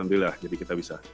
alhamdulillah jadi kita bisa